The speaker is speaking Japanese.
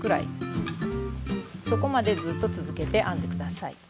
そこまでずっと続けて編んで下さい。